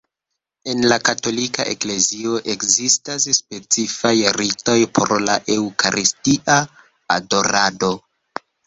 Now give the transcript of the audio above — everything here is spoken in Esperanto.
En la Katolika Eklezio ekzistas specifaj ritoj por la Eŭkaristia adorado.